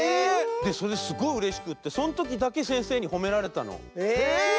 それですごいうれしくってそのときだけせんせいにほめられたの。